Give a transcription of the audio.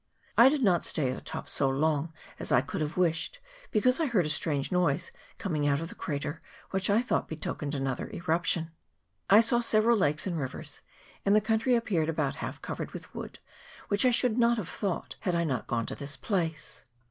I did not stay at the top so long as I could have wished, because I heard a strange noise coming out of the crater, which I thought betokened another eruption. I saw several lakes and rivers, and the country appeared about half covered with wood, which I should not have thought, had I not gone to this place.